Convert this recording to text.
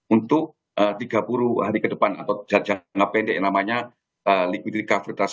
untuk tiga puluh hari ke depan atau jangka pendek yang namanya liquiditas